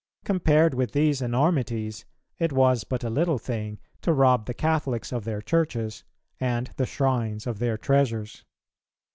Compared with these enormities, it was but a little thing to rob the Catholics of their churches, and the shrines of their treasures.